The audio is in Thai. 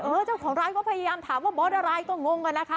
เจ้าของร้านก็พยายามถามว่าบอสอะไรก็งงกันนะคะ